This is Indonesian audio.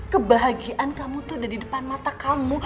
kebahagiaan kamu tuh ada di depan mata kamu